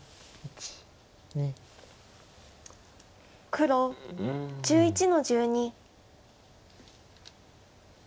黒１１の十二。